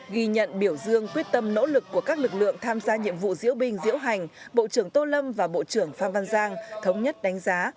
ghi nhận biểu dương quyết tâm nỗ lực của các lực lượng tham gia nhiệm vụ diễu binh diễu hành bộ trưởng tô lâm và bộ trưởng phan văn giang thống nhất đánh giá